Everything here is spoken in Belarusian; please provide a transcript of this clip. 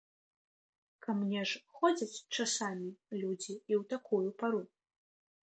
Ка мне ж ходзяць часамі людзі і ў такую пару.